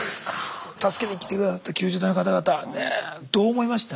助けに来て下さった救助隊の方々ねどう思いました？